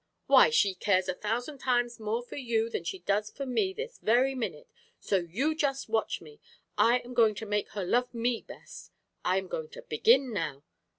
Why, she cares a thousand times more for you than she does for me this very minute! So you just watch me. I am going to make her love me best! I am going to begin now."